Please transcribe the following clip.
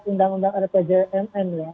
undang undang rpjmn ya